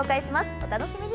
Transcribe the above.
お楽しみに。